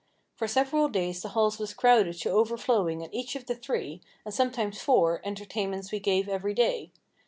For several days the hall was crowded to overflowing at each of the three, and sometimes four, entertainments we gave every day.